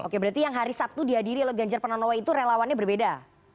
oke berarti yang hari sabtu dihadiri oleh ganjar pranowo itu relawannya berbeda